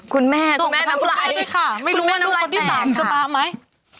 ส่งประทับใหม่ไหมค่ะไม่รู้ว่ากลุงตัวที่สามจะปาร์มไหม